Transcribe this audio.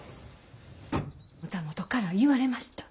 座本から言われました。